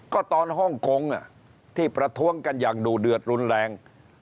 ก็ตอนฮ่องกงที่ประท้วงกันอย่างดูเดือดรุนแรง